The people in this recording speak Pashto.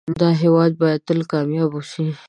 دا هيواد بايد تل کامیاب اوسی